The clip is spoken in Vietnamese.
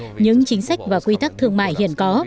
như hiện nay những chính sách và quy tắc thương mại hiện có